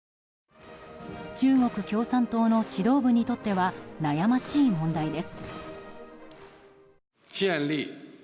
中国共産党の指導部にとっては悩ましい問題です。